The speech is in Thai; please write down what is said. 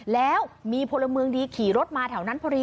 แล้วมีพลเมืองดีขี่รถมาแถวนั้นพอดี